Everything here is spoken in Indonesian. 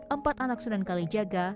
empat anak sunan kalijaga